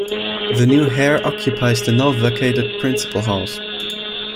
The new heir occupies the now vacated principal house.